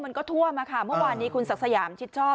มันก็ท่วมอะค่ะเมื่อวานนี้คุณศักดิ์สยามชิดชอบ